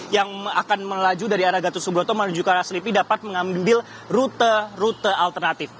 yang akan melaju dari arah gatus subroto menuju ke arah selipi dapat mengambil rute rute alternatif